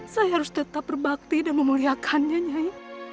saya harus tetap berbakti dan memuliakannya nyai